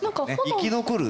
生き残る？